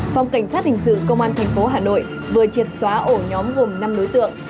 phòng cảnh sát hình sự công an tp hà nội vừa triệt xóa ổ nhóm gồm năm đối tượng